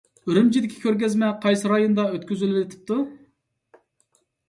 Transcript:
ئۈرۈمچىدىكى كۆرگەزمە قايسى رايوندا ئۆتكۈزۈلۈۋېتىپتۇ؟